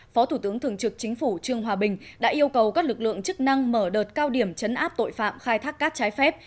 phó thủ tướng thường trực chính phủ trương hòa bình đã yêu cầu các lực lượng chức năng mở đợt cao điểm chấn áp tội phạm khai thác cát trái phép